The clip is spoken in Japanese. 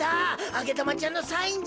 あげだまちゃんのサインじゃ。